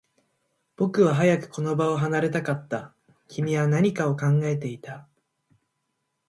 僕は早くこの場を離れたかった。君は何かを考えていた。